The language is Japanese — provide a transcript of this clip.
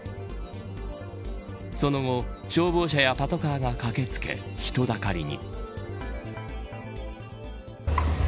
その後、消防車やパトカーが駆け付け人だかりに。